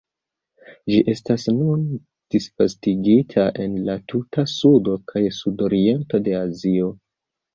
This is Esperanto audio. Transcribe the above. Ĝi estas nun disvastigita en la tuta sudo kaj sudoriento de Azio.